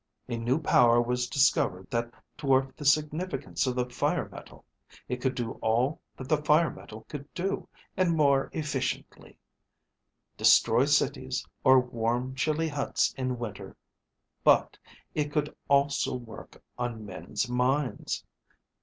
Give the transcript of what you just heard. A new power was discovered that dwarfed the significance of the fire metal. It could do all that the fire metal could do, and more efficiently: destroy cities, or warm chilly huts in winter; but, it could also work on men's minds.